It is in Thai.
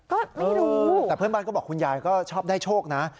ก็ไม่รู้แต่เพื่อนบ้านก็บอกคุณยายก็ชอบได้โชคนะ